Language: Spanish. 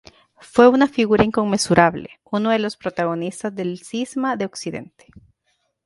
Fue una figura inconmensurable, uno de los protagonistas del Cisma de Occidente.